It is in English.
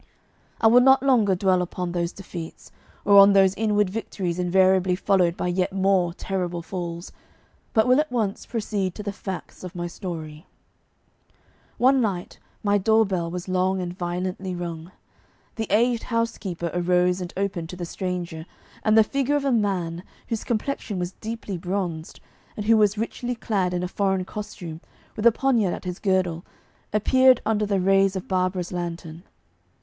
I will not longer dwell upon those defeats, or on those inward victories invariably followed by yet more terrible falls, but will at once proceed to the facts of my story. One night my door bell was long and violently rung. The aged housekeeper arose and opened to the stranger, and the figure of a man, whose complexion was deeply bronzed, and who was richly clad in a foreign costume, with a poniard at his girdle, appeared under the rays of Barbara's lantern.